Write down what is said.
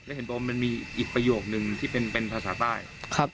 แล้วเห็นบอกว่ามันมีอีกประโยคนึงที่เป็นภาษาใต้